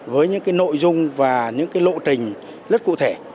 với những cái nội dung và những lộ trình rất cụ thể